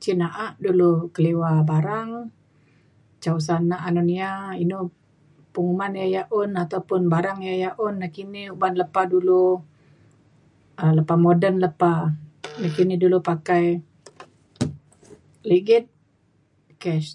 Cin na’a dulu keliwa barang ca usa nak anun ia’ inu penguman ia’ yak un ataupun barang ia’ yak un nakini uban lepa dulu um lepa moden lepa nakini dulu pakai ligit cash.